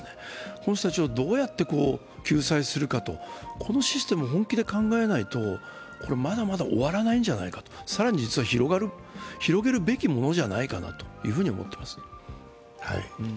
この人たちをどうやって救済するか、このシステムを本気で考えないと、まだまだ終わらないんじゃないかと、更に実は広がる、広げるべきものではないかと思います。